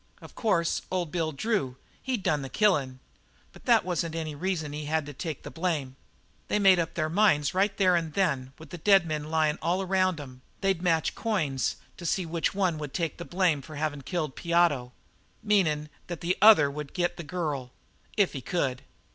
Of course, old Bill Drew, he'd done the killing, but that wasn't any reason why he had to take the blame. "They made up their minds that right there and then with the dead men lyin' all around 'em, they'd match coins to see which one would take the blame of havin' killed Piotto meanin' that the other one would get the girl if he could.